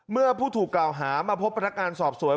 เมื่อผู้ถูกกล่าวหามาพบพนักงานสอบสวน